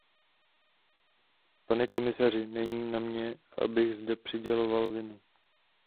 Pane komisaři, není na mně, abych zde přiděloval vinu.